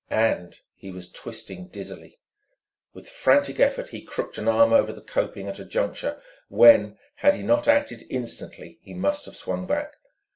And he was twisting dizzily.... With frantic effort he crooked an arm over the coping at a juncture when, had he not acted instantly, he must have swung back.